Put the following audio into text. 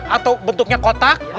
atau bentuknya kotak